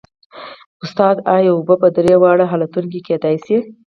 استاده ایا اوبه په درې واړو حالتونو کې کیدای شي